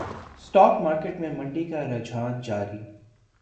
stock market میں مندی کا رجحان جاری